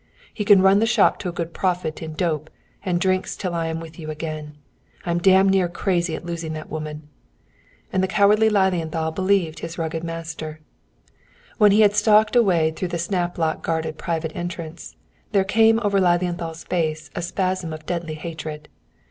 He can run the shop to a good profit in 'dope' and drinks till I am with you again. I'm damned near crazy at losing that woman." And the cowardly Lilienthal believed his rugged master. When he had stalked away through the snaplock guarded private entrance, there came over Lilienthal's face a spasm of deadly hatred.